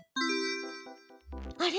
あれ？